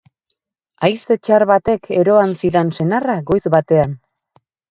Haize txar batek eroan zidan senarra goiz batean.